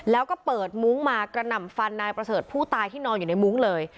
แล้วก็เปิดมุ้งมากระหน่ำฟันนายประเสริฐผู้ตายที่นอนอยู่ในมุ้งเลย